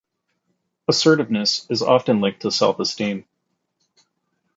Assertiveness is often linked to self-esteem.